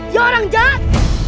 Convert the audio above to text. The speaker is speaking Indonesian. ya orang jahat